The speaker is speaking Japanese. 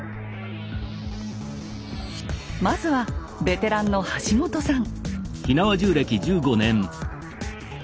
まずはベテランの橋本さん。